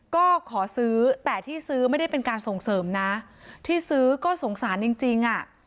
ก็ขอซื้อแต่ที่ซื้อไม่ได้เป็นการส่งเสริมนะที่ซื้อก็สงสารจริงจริงอ่ะ